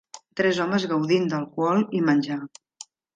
Tres homes gaudint d'alcohol i menjar.